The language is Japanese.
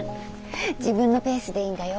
自分のペースでいいんだよ。